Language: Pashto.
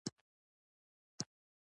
هغه نشي کولای خپل ژوند جدي ونیسي.